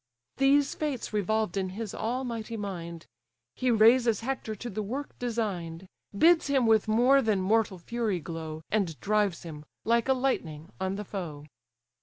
These fates revolved in his almighty mind, He raises Hector to the work design'd, Bids him with more than mortal fury glow, And drives him, like a lightning, on the foe.